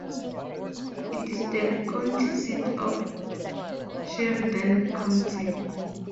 It is the county seat of Sheridan County.